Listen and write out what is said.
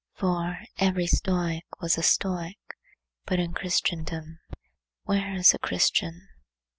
For every Stoic was a Stoic; but in Christendom where is the Christian?